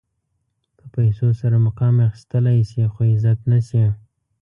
په پیسو سره مقام اخيستلی شې خو عزت نه شې.